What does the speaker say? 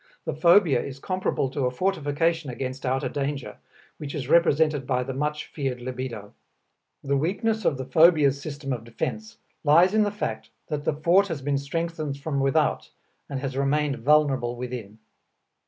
The phobia is comparable to a fortification against outer danger, which is represented by the much feared libido. The weakness of the phobias' system of defense lies in the fact that the fort has been strengthened from without and has remained vulnerable within.